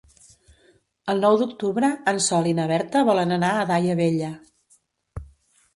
El nou d'octubre en Sol i na Berta volen anar a Daia Vella.